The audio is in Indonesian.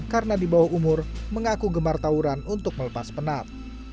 karena di bawah umur mengaku gemar tawuran untuk melepas penat